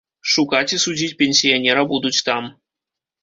Шукаць і судзіць пенсіянера будуць там.